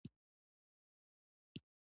رسول الله صلی الله علیه وسلم ځواب راکړ.